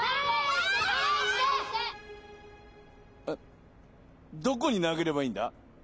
あっどこになげればいいんだ？